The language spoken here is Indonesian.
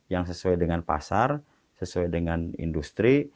yang sesuai dengan pasar sesuai dengan industri